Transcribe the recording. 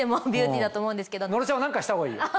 野呂ちゃんは何かしたほうがいいよ。